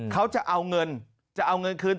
เขาจะเอาเงินจะเอาเงินคืน